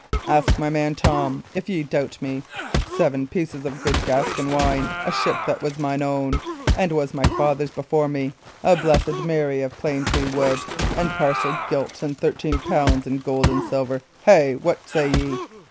Ask my man Tom, if ye misdoubt me. Seven pieces of good Gascon wine, a ship that was mine own, and was my father's before me, a Blessed Mary of plane tree wood and parcel gilt, and thirteen pounds in gold and silver. Hey! what say ye?